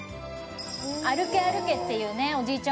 「歩け歩け」っていうねおじいちゃん